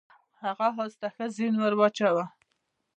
هغه اس ته ښه زین ور واچاوه.